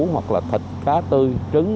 hoặc là thịt cá tư trứng